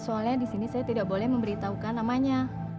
soalnya di sini saya tidak boleh memberitahukan namanya